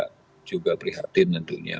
mereka juga prihatin tentunya